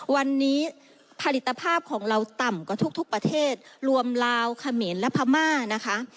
วันนี้ผลิตภาพของเราต่ำกว่าทุกประเทศรวมลาวเขมรและพม่านะคะ